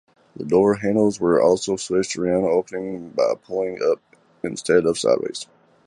The door handles were also switched around, opening by pulling up instead of sideways.